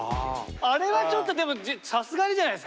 あれはちょっとでもさすがにじゃないですか？